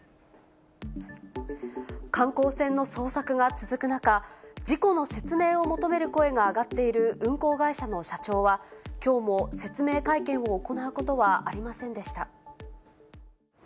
観光船の捜索が続く中、事故の説明を求める声が上がっている運航会社の社長は、きょうも説明会見を行うことはありませんでした。